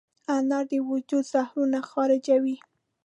انار د وجود زهرونه خارجوي.